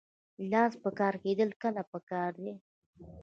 لاس په کار کیدل کله پکار دي؟